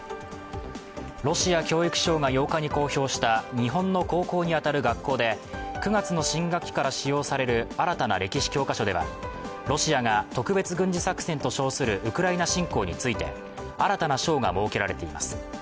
ロシア教育省が８日に公表した日本の高校に当たる学校で９月の新学期から使用される新たな歴史教科書ではロシアが特別軍事作戦と称するウクライナ侵攻について新たな章が設けられています。